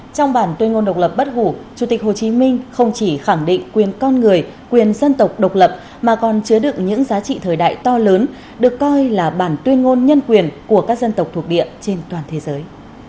trong bản tuyên ngôn độc lập bất hủ chủ tịch hồ chí minh không chỉ khẳng định quyền con người quyền dân tộc độc lập mà còn chứa đựng những giá trị thời đại to lớn được coi là bản tuyên ngôn nhân quyền của các dân tộc thuộc địa trên toàn thế giới